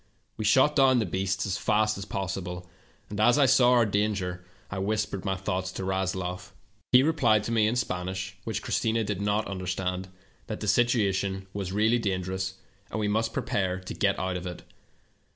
We shot down the beasts as fast as possible, and as I saw our danger I whispered my thoughts to Rasloff. "He replied to me in Spanish, which Christina did not understand, that the situation was really dangerous, and we must prepare to get out of it.